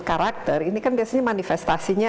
karakter ini kan biasanya manifestasinya